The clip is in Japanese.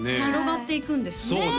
広がっていくんですね